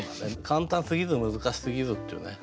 簡単すぎず難しすぎずっていうね。